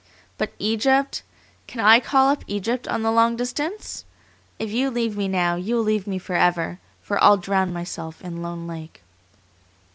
But Egypt! Can I call up Egypt on the long distance? If you leave me now, you'll leave me forever, for I'll drown myself in Lone Lake."